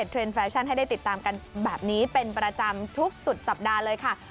แฟชั่นให้ได้ติดตามกันแบบนี้เป็นประจำทุกสุดสัปดาห์เลยค่ะ